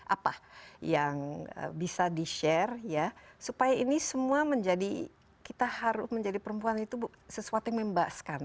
apa yang bisa di share ya supaya ini semua menjadi kita harus menjadi perempuan itu sesuatu yang membaskan